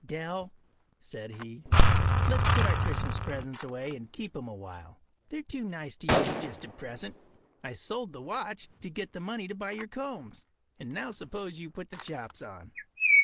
“Dell,” said he, “let’s put our Christmas presents away and keep ’em a while. They’re too nice to use just at present. I sold the watch to get the money to buy your combs. And now suppose you put the chops on.